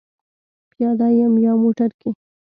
پیاده یم یا موټر کې؟